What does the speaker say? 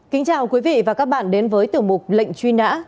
kính chào quý vị và các bạn đến với tiểu mục lệnh truy nã